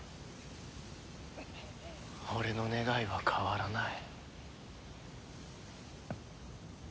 俺の願いは変わらない。